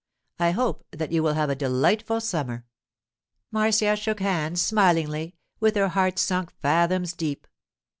I hope that you will have a delightful summer.' Marcia shook hands smilingly, with her heart sunk fathoms deep.